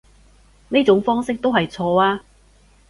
呢種方式都係錯啊